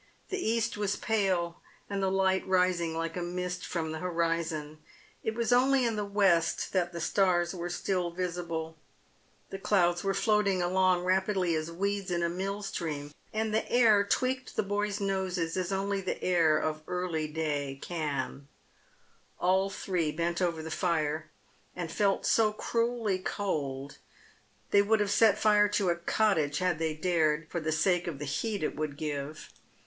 The east was pale, and the light rising like a mist from the horizon. It was only in the west that the stars were still visible. The clouds were floating along rapidly as weeds in a mill stream, and the air tweaked the boys' noses as only the air of earlyday can. Ail three bent over the fire, and felt so cruelly cold they would have set fire to a cottage had they dared, for the sake of the heat it would give.